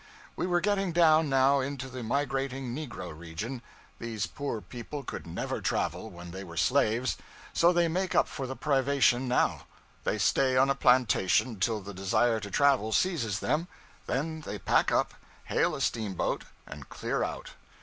We were getting down now into the migrating negro region. These poor people could never travel when they were slaves; so they make up for the privation now. They stay on a plantation till the desire to travel seizes them; then they pack up, hail a steamboat, and clear out.